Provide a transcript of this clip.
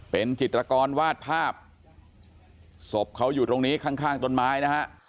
เป็นจิตรกรวาดภาพศพเขาอยู่ตรงนี้ข้างข้างต้นไม้นะฮะ